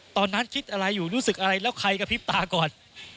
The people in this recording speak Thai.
ตอนนั้นคิดอะไรอยู่รู้สึกอะไรแล้วใครกระพริบตาก่อน